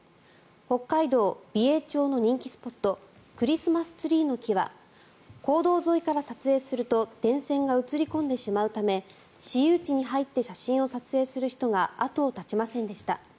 北海道美瑛町の人気スポットクリスマスツリーの木は公道沿いから撮影すると電線が写り込んでしまうため私有地に入って写真を撮影する人が後を絶ちませんでした。